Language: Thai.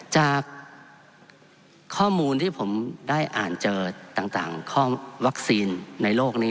จากข้อมูลที่ผมได้อ่านเจอต่างข้อมูลวัคซีนในโลกนี้